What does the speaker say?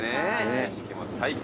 景色も最高。